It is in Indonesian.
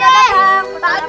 untuk pak d